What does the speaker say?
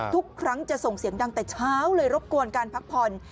ทุกครั้งจะส่งเสียงดังแต่เช้าเลยรบกวนการพักผ่อน